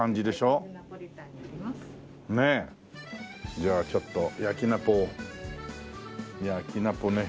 じゃあちょっと焼きナポを焼きナポね。